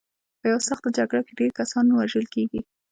په یوه سخته جګړه کې ډېر کسان وژل کېږي.